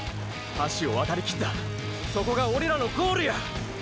橋を渡りきったそこがオレらのゴールや！！